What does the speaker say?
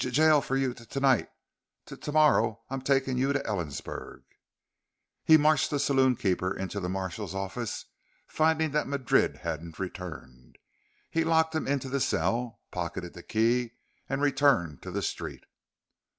"J jail for you t tonight. T tomorrow I'm taking you to Ellensburg." He marched the saloonkeeper into the marshal's office, finding that Madrid hadn't returned. He locked him into the cell, pocketed the key, and returned to the street.